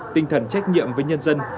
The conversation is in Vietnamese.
tinh thần trách nhiệm với nhân dân